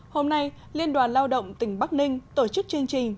hôm nay liên đoàn lao động tỉnh bắc ninh tổ chức chương trình